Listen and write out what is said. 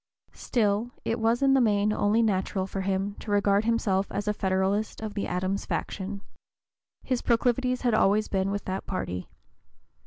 Still it was in the main only natural for him to regard himself as a Federalist of the Adams faction. His proclivities had always been with that party.